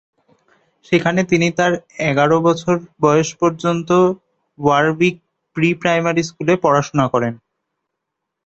সেখানে তিনি তার এগার বছর বয়স পর্যন্ত ওয়ারউইক প্রি-প্রাইমারি স্কুলে পড়াশুনা করেন।